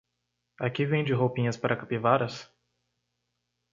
Aqui vende roupinhas para capivaras?